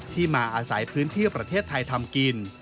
มาอาศัยพื้นที่ประเทศไทยทำกิน